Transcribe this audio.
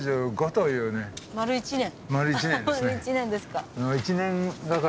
丸１年ですね。